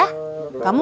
belum makan kan